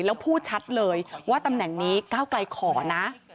แล้วพูดชัดเลยว่าตำแหน่งนี้ก้าวไกลขอนะ